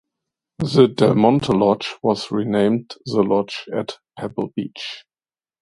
The Del Monte Lodge was renamed the Lodge at Pebble Beach.